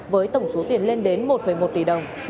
với tổng số tiền lên đến một một tỷ đồng